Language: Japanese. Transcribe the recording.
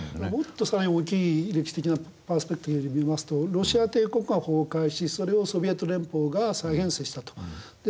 もっと更に大きい歴史的なパースペクティブで見ますとロシア帝国が崩壊しそれをソビエト連邦が再編成したと。